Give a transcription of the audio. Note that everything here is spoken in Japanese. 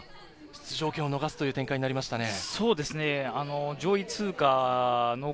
出場権を逃すという展開になりましたね。